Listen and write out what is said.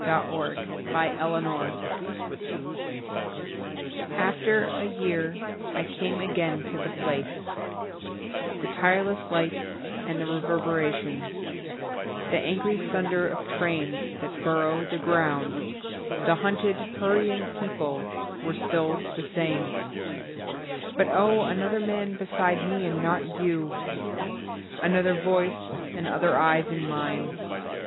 IN A SUBWAY STATION AFTER a year I came again to the place; The tireless lights and the reverberation, The angry thunder of trains that burrow the ground, The hunted, hurrying people were still the same But oh, another man beside me and not you! Another voice and other eyes in mine!